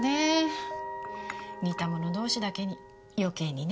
似た者同士だけに余計にね。